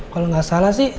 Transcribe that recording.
kalo gak salah sih